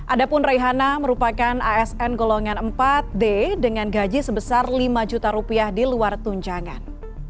adapun reihana merupakan asn golongan empat d dengan gaji sebesar lima juta rupiah di luar tunjangan